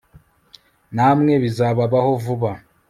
namwe bizababaho vuba